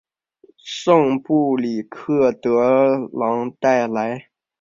圣布里克德朗代莱。